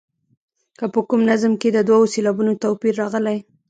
که په کوم نظم کې د دوو سېلابونو توپیر راغلی.